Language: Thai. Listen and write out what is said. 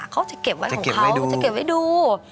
เขาจะเก็บไว้ของเขาเขาจะเก็บไว้ดู